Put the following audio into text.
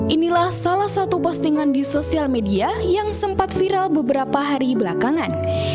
inilah salah satu postingan di sosial media yang sempat viral beberapa hari belakangan